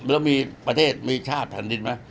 แล้วมีประเทศมีชาติธรรมดินมั้ย